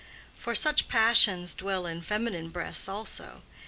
For such passions dwell in feminine breasts also.